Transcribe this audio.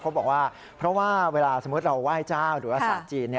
เขาบอกว่าเพราะว่าเวลาสมมุติเราไหว้เจ้าหรืออาศาสตร์จีน